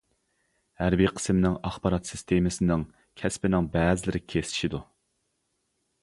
ھەربىي قىسىمنىڭ ئاخبارات سىستېمىسىنىڭ كەسپىنىڭ بەزىلىرى كېسىشىدۇ.